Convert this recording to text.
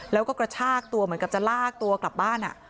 แล้วก็กระชากตัวเหมือนกับจะลากตัวกลับบ้าน